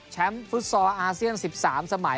แชมป์ฟุสซอร์อาเซียน๑๓สมัย